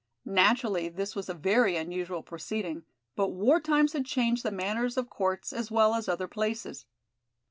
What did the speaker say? Naturally this was a very unusual proceeding, but war times had changed the manners of courts as well as other places.